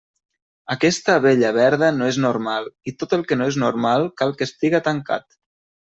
Aquesta abella verda no és normal, i tot el que no és normal cal que estiga tancat.